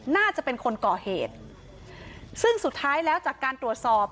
น่าจะเป็นคนก่อเหตุซึ่งสุดท้ายแล้วจากการตรวจสอบ